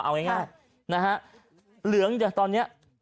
เอาง่าย